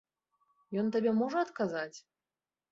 Ён табе можа адказаць?